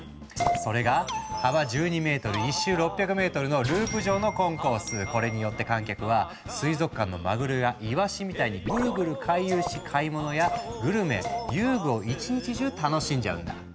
それがこれによって観客は水族館のマグロやイワシみたいにグルグル回遊し買い物やグルメ遊具を１日中楽しんじゃうんだ。